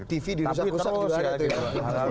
tv dirusak rusak juga